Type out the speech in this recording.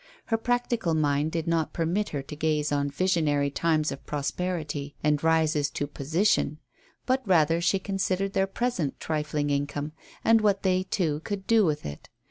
Her practical mind did not permit her to gaze on visionary times of prosperity and rises to position, but rather she considered their present trifling income, and what they two could do with it.